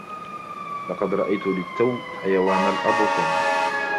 لقد رأيت للتو حيوان الأبوسوم.